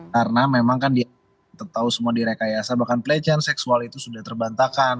karena memang kan dia tahu semua direkayasa bahkan pelecehan seksual itu sudah terbantahkan